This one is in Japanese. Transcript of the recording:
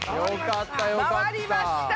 回りました！